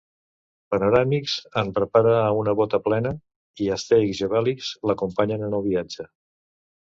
Panoràmix en prepara una bota plena, i Astèrix i Obèlix l'acompanyen en el viatge.